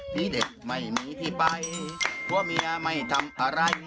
ที่เด็กไม่มีที่ไปผัวเมียไม่ทำอะไร